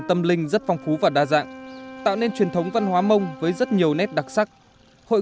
tâm linh rất phong phú và đa dạng tạo nên truyền thống văn hóa mông với rất nhiều nét đặc sắc hội